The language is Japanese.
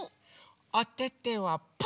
おててはパー！